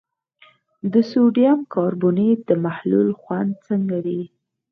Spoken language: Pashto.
د سوډیم کاربونیټ د محلول خوند څنګه دی؟